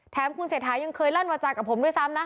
แถมคุณเสถายังเคยลั่นวัจจากกับผมด้วยซ้ำนะ